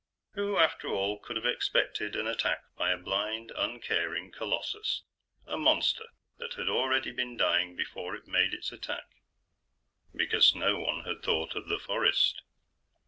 Who, after all, could have expected an attack by a blind, uncaring colossus a monster that had already been dying before it made its attack? Because no one had thought of the forest.